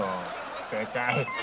正解。